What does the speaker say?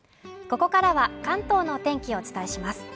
ここからは関東のお天気をお伝えします